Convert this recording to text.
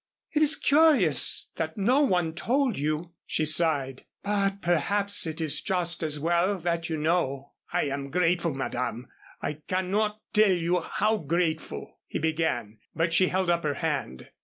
It is curious that no one told you," she sighed. "But perhaps it is just as well that you know." "I am grateful, Madame, I cannot tell you how grateful," he began, but she held up her hand.